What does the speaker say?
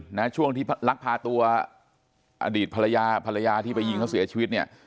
เอาวุธปืนช่วงที่รักพาตัวอดีตพลเยียที่ไปยิงเขาเสียชีวิตเนี่ย